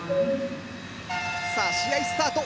さぁ試合スタート。